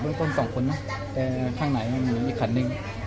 มีคนสองคนนะแต่ข้างในมีอีกขันนึง